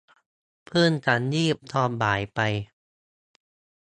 เพิ่งจะงีบตอนบ่ายไป